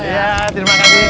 ya terima kasih